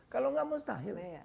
kalau gak mustahil